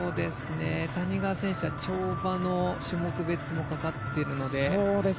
谷川選手は跳馬の種目別もかかってるので。